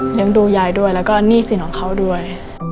ดูยายด้วยแล้วก็หนี้สินของเขาด้วย